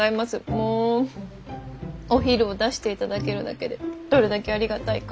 もうお昼を出していただけるだけでどれだけありがたいか。